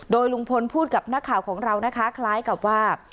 โดยลุงพลพูดกับนักข่าวของเรานะคะคล้ายกับว่า